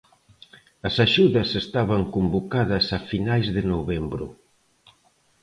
As axudas estaban convocadas a finais de novembro.